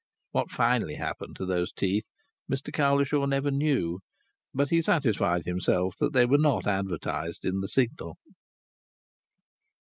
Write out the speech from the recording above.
What finally happened to those teeth Mr Cowlishaw never knew. But he satisfied himself that they were not advertised in the Signal.